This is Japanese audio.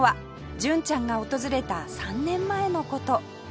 純ちゃんが訪れた３年前の事